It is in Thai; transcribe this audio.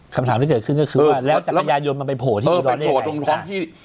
คำถามที่เกิดขึ้นก็คือว่าแล้วจักรยานยนต์มันไปโผ่ที่อุดรได้ไง